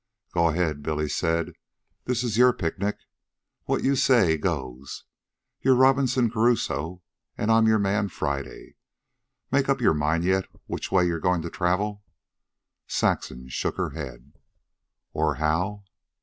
"Go ahead," Billy said. "This is your picnic. What you say goes. You're Robinson Crusoe an' I'm your man Friday. Make up your mind yet which way you're goin' to travel?" Saxon shook her head. "Or how?"